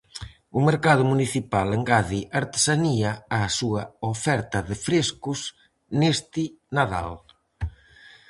O mercado municipal engade artesanía á súa oferta de frescos neste Nadal.